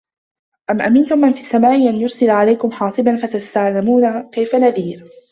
أَم أَمِنتُم مَن فِي السَّماءِ أَن يُرسِلَ عَلَيكُم حاصِبًا فَسَتَعلَمونَ كَيفَ نَذيرِ